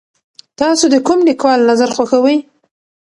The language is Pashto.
تاسو د کوم لیکوال نظر خوښوئ؟